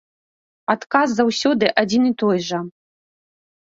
Адказ заўсёды адзін і той жа.